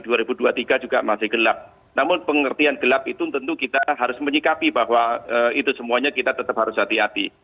dan juga masih gelap namun pengertian gelap itu tentu kita harus menyikapi bahwa itu semuanya kita tetap harus hati hati